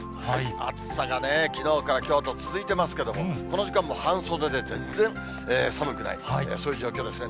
暑さがね、きのうからきょうと続いてますけども、この時間も半袖で全然寒くない、そういう状況ですね。